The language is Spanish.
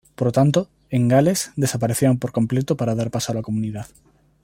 Por lo tanto, en Gales desaparecieron por completo para dar paso a la Comunidad.